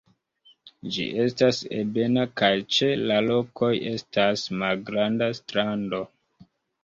Ĝi estas ebena kaj ĉe la rokoj estas malgranda strando.